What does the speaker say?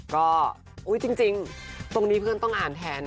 ก็จริงตรงนี้เพื่อนต้องอ่านแทน